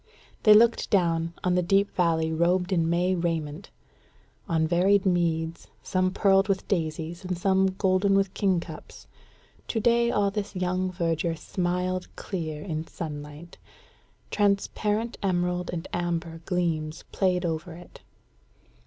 They looked down on the deep valley robed in May raiment; on varied meads, some pearled with daisies and some golden with kingcups: to day all this young verdure smiled clear in sunlight; transparent emerald and amber gleams played over it.